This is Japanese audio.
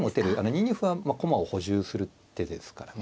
２二歩は駒を補充する手ですからね。